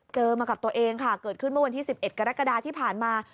มากับตัวเองค่ะเกิดขึ้นเมื่อวันที่๑๑กรกฎาที่ผ่านมา